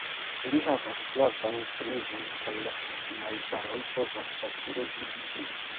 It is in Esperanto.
Li havas flavan ĉemizon kaj la najbaroj povas facile vidi ĝin.